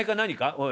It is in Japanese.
おい。